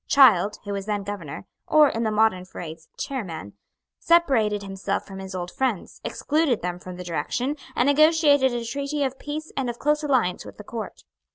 Child, who was then Governor, or, in the modern phrase, Chairman, separated himself from his old friends, excluded them from the direction, and negotiated a treaty of peace and of close alliance with the Court.